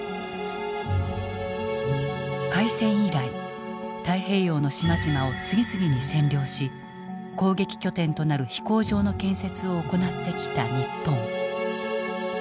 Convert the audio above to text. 開戦以来太平洋の島々を次々に占領し攻撃拠点となる飛行場の建設を行ってきた日本。